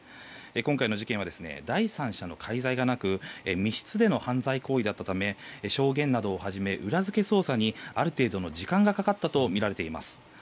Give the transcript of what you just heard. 今回の事件は第三者の介在がなく密室での犯罪行為だったため証言などをはじめ裏付け捜査に、ある程度の時間がかかったとみられています。